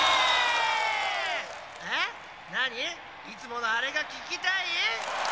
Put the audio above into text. いつものあれがききたい？